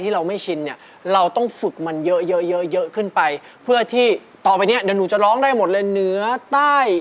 ที่ต่อไปเนี่ยเดี๋ยวหนุจะร้องได้หมดเลย